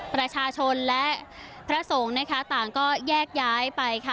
ประชาชนและพระสงครรภ์ต่างก็แยกย้ายไป